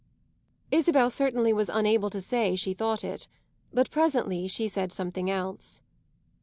Isabel certainly was unable to say she thought it; but presently she said something else.